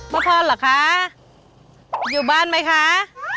พระพรเหรอคะอยู่บ้านไหมคะ